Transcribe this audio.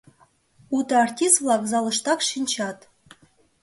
Уто артист-влак залыштак шинчат.